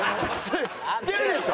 知ってるでしょ？